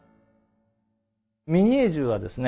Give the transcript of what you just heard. ミニエー銃はですね